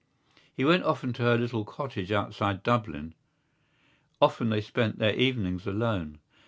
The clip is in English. He went often to her little cottage outside Dublin; often they spent their evenings alone.